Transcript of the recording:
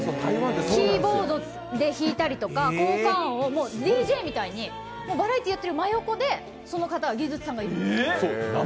キーボードで弾いたりとか効果音を、ＤＪみたいにバラエティーやってる真横でその方、技術さんがいるんです。